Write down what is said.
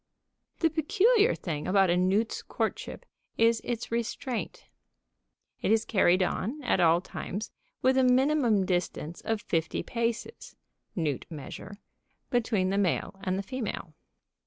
The peculiar thing about a newt's courtship is its restraint. It is carried on, at all times, with a minimum distance of fifty paces (newt measure) between the male and the female.